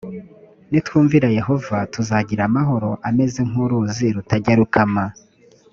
nitwumvira yehova tuzagira amahoro ameze nk uruzi rutajya rukama